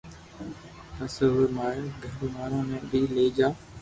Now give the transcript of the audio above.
پسي اووي ماري گھر وارو ني بي لئي جاو